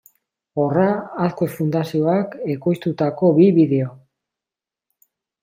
Horra Azkue Fundazioak ekoiztutako bi bideo.